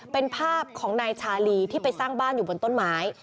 เป็นภาพของนายชาลีที่ไปสร้างบ้านอยู่บนต้นไม้